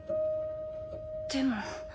でも。